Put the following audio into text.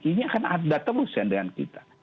ini akan ada terus ya dengan kita